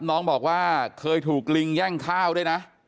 น้องบอกว่าเคยถูกลิงแย่งข้าวด้วยนะ